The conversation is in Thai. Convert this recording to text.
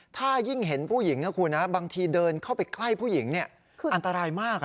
ถ้ายิ่งเห็นผู้หญิงนะคุณนะบางทีเดินเข้าไปใกล้ผู้หญิงคืออันตรายมาก